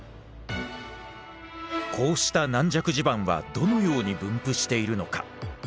こうした軟弱地盤はどのように分布しているのか。